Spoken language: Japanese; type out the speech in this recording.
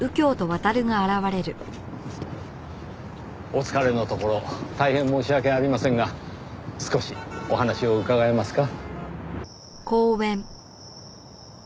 お疲れのところ大変申し訳ありませんが少しお話を伺えますか？